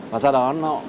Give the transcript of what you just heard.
và do đó